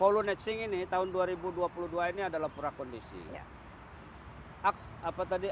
polunet sing ini tahun dua ribu dua puluh dua ini adalah pura kondisi